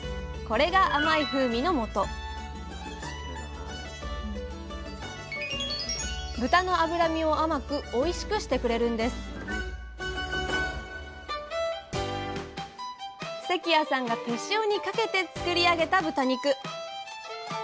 これが甘い風味のもと豚の脂身を甘くおいしくしてくれるんです関谷さんが手塩にかけて作り上げた豚肉。